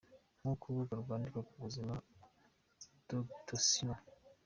Nkuko urubuga rwandika ku buzima doctissimo.